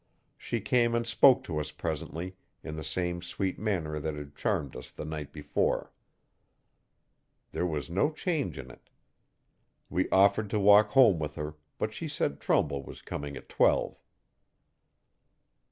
She came and spoke to us presently, in the same sweet manner that had charmed us the night before, there was no change in it. We offered to walk home with her, but she said Trumbull was coming at twelve.